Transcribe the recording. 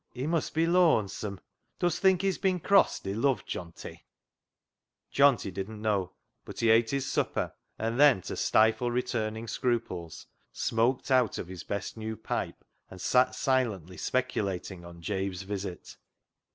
He must be looansome. Dust think he's bin crossed i' luv, Johnty ?" Johnty didn't know, but he ate his supper, and then, to stifle returning scruples, smoked out of his best new pipe and sat silently speculating on Jabe's visit.